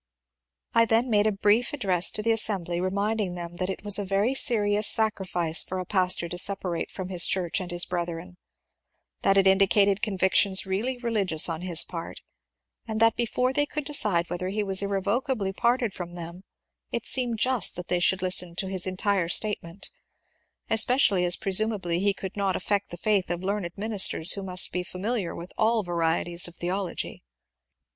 I then made a brief address to the assembly remind ing them that it was a very serious sacrifice for a pastor to separate from his church and his brethren ; that it indicated convictions really religious on his part, and that before they could decide whether he was irrecoverably parted irom them it seemed just that they should listen to his entire statement ; especially as presumably he could not affect the &uth of learned ministers who must be familiar with all varieties of theology.